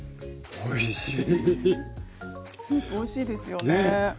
おいしい。